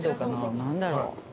何だろう？